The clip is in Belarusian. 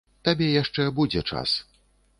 Табе яшчэ будзе час.